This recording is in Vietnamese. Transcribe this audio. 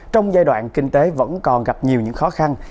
trong giai đoạn kinh tế vẫn còn gặp nhiều những khó khăn